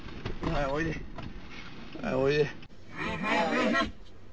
はいはいはいはい。